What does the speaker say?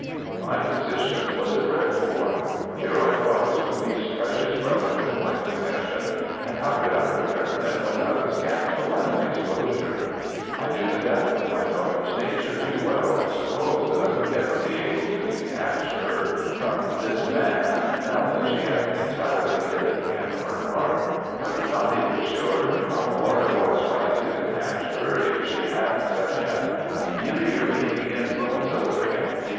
"My position was a dreadful one. Here I was with these precious relics in my possession, and how could I return them without a scandal and an exposure? I knew the depth of my daughter's nature too well to suppose that I would ever be able to detach her from this man now that she had entirely given him her heart. I was not even sure how far it was right to detach her if she had such an ameliorating influence over him.